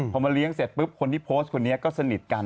พอมาเลี้ยงเสร็จปุ๊บคนที่โพสต์คนนี้ก็สนิทกัน